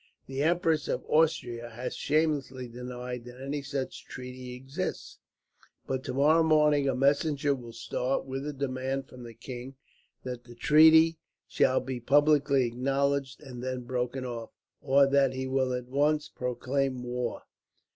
The Empress of Austria has shamelessly denied that any such treaty exists, but tomorrow morning a messenger will start, with a demand from the king that the treaty shall be publicly acknowledged and then broken off, or that he will at once proclaim war.